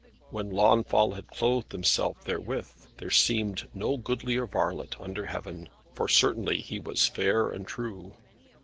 When Launfal had clothed himself therewith, there seemed no goodlier varlet under heaven, for certainly he was fair and true.